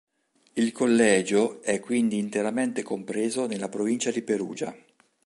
Il collegio è quindi interamente compreso nella provincia di Perugia.